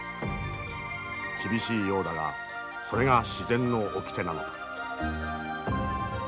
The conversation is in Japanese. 厳しいようだがそれが自然のおきてなのだ。